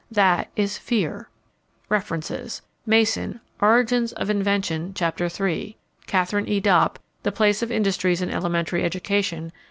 That is fear. References: Mason, Origins of Invention, Chapter III. Katharine E. Dopp, The Place of Industries in Elementary Education, pp.